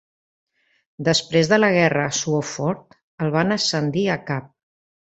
Després de la guerra Swofford el van ascendir a cap.